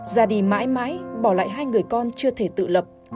già đi mãi mãi bỏ lại hai người con chưa thể tự lập